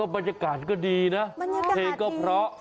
บรรยากาศก็ดีนะเพลงก็เพราะ